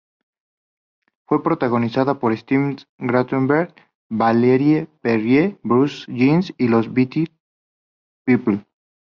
Fue protagonizada por Steve Guttenberg, Valerie Perrine, Bruce Jenner y los "Village People".